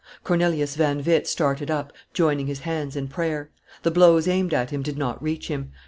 Cornelius van Witt started up, joining his hands in prayer; the blows aimed at him did not reach him.